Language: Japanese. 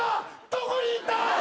どこに行った！？